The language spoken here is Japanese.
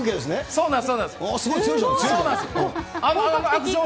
そうなんです。